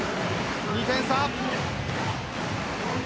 ２点差。